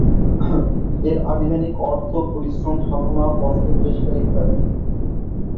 এর আভিধানিক অর্থ পরিশ্রম, সাধনা, কষ্ট, চেষ্টা ইত্যাদি।